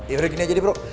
yaudah gini aja deh bro